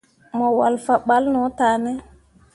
Mo walle fah balla no tah ne ?